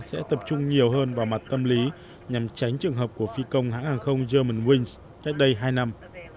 sẽ tập trung nhiều hơn vào mặt tâm lý nhằm tránh trường hợp của phi công hãng hàng không joman wings cách đây hai năm